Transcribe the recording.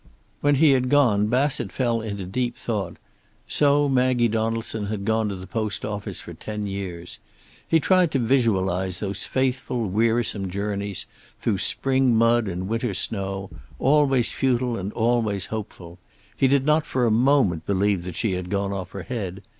When he had gone Bassett fell into deep thought. So Maggie Donaldson had gone to the post office for ten years. He tried to visualize those faithful, wearisome journeys, through spring mud and winter snow, always futile and always hopeful. He did not for a moment believe that she had "gone off her head."